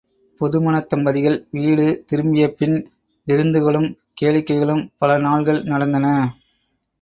புது மணத்தம்பதிகள் வீடு திரும்பியபின் விருந்துகளும் கேளிக்கைகளும் பல நாள்கள் நடந்தன.